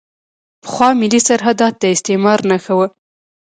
پخوا ملي سرحدات د استعمار نښه وو.